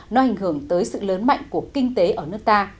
nó ảnh hưởng tới sự lớn mạnh của kinh tế ở nước ta